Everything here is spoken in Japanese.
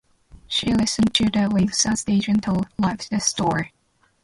She listened to the waves as they gently lapped the shore.